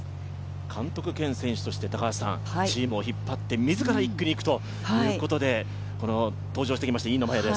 監督兼選手としてチームを引っ張って、自ら１区にいくということで、登場してきました飯野摩耶です。